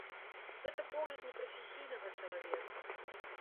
Гэта погляд непрафесійнага чалавека.